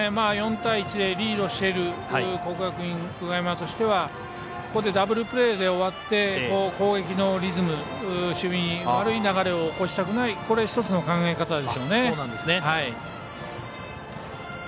４対１でリードしている国学院久我山としてはここでダブルプレーで終わって攻撃のリズム、守備に悪い流れを起こしたくない１つの考え方でしょうね。